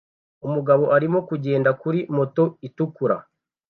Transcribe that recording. Umugabo arimo kugenda kuri moto itukura